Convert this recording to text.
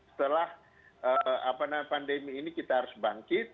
setelah pandemi ini kita harus bangkit